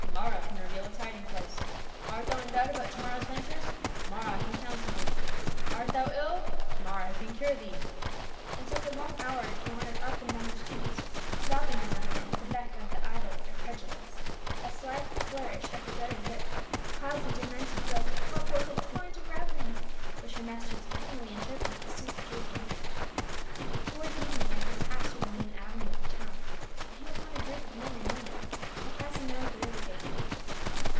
Mara can reveal its hiding place! Art thou in"" doubt about to morrow's ventures? Mara can counsel thee! Art thou ill? Mara can cure thee !" And so for long hours they wandered up and down the streets, stopping now and again at the beck of the idle or credulous ; a sly flourish of the dreaded whip causincr the demented girl to pour forth a torrent of rav ings which her masters cunningly interpreted to suit the case in hand. Toward evening as they passed through the main avenue of the town they came upon a group .'524 PA UL. of men and women \vlio were passinj^ out at the ri\cr gate.